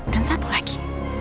dan satu lagi